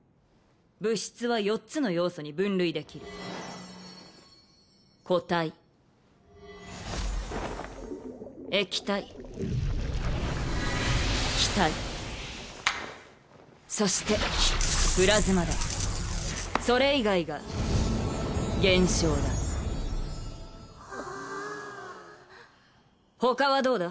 物質は四つの要素に分類できる固体液体気体そしてプラズマだそれ以外が現象だ他はどうだ？